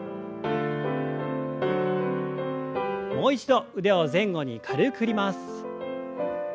もう一度腕を前後に軽く振ります。